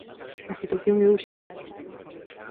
A situación é urxente.